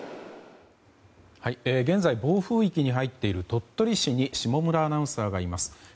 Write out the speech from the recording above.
現在、暴風域に入っている鳥取市に下村アナウンサーがいます。